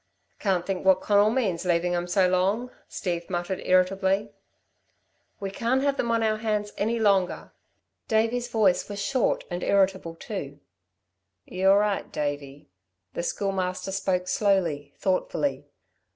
"Can't think what Conal means, leavin' 'em so long," Steve muttered irritably. "We can't have them on our hands any longer!" Davey's voice was short and irritable too. "You're right, Davey." The Schoolmaster spoke slowly, thoughtfully.